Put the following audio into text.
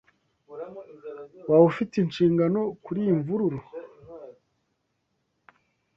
Waba ufite inshingano kuriyi mvururu?